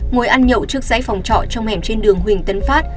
ngồi ăn nhậu trước giấy phòng trọ trong hẻm trên đường huỳnh tân phát